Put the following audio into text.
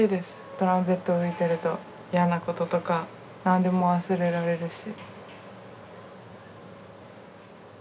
トランペットを吹いてると嫌なこととかなんでも忘れられるし。